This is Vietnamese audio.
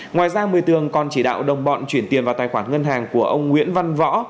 ngoài ra mười tường còn chỉ đạo đồng bọn chuyển tiền vào tài khoản ngân hàng của ông nguyễn văn võ